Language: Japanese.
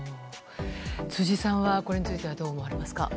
辻さんは、これについてはどう思われますか。